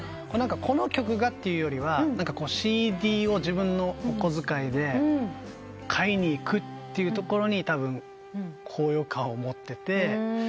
この曲がっていうよりはＣＤを自分のお小遣いで買いに行くというところにたぶん高揚感を持ってて。